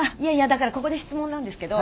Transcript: だからここで質問なんですけど。